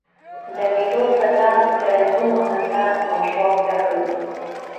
د مېلو فضا د رنګونو، خندا او شوق ډکه يي.